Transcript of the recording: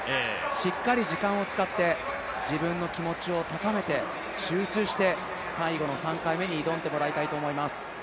しっかり時間を使って自分の気持ちを高めて、集中して最後の３回目に挑んでもらいたいと思いますね。